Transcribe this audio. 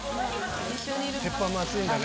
鉄板も熱いんだね。